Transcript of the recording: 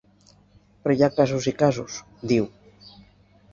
Però hi ha casos i casos, diu.